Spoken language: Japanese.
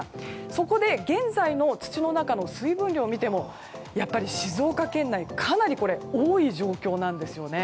そこで現在の土の中の水分量を見てもやっぱり静岡県内かなり多い状況なんですね。